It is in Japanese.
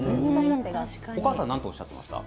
お母さんは何とおっしゃってましたか？